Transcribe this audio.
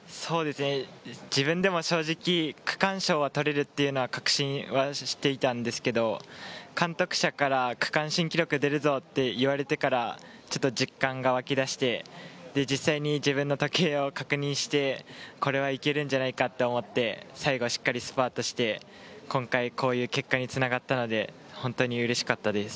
自分でも正直、区間賞は取れるというのは確信していたんですけど、監督車から区間新記録出るぞ！と言われてから実感が湧き出して、自分の時計を確認してこれはいけるんじゃないかと思って最後しっかりスパートして今回、こういう結果に繋がったので本当にうれしかったです。